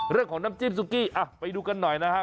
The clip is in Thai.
เรื่องของน้ำจิ้มซุกี้ไปดูกันหน่อยนะฮะ